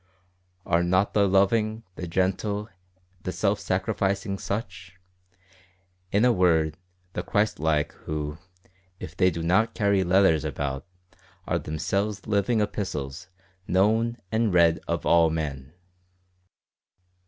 Are not the loving, the gentle, the self sacrificing such? in a word, the Christ like, who, if they do not carry letters about, are themselves living epistles "known and read of all men?"